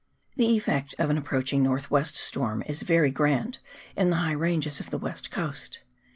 The effect of an approaching TWAIN RIVER. 2 47 nortli 'west storm is very grand in the high ranges of the West Coast.